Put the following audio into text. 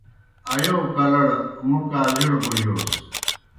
ایو کالَڑ موْ کالجَڑ بوجوس۔